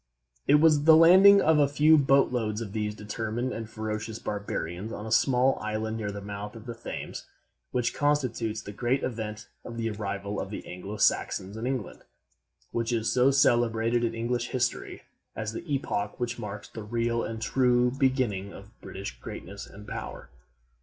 It was the landing of a few boat loads of these determined and ferocious barbarians on a small island near the mouth of the Thames, which constitutes the great event of the arrival of the Anglo Saxons in England, which is so celebrated in English history as the epoch which marks the real and true beginning of British greatness and power.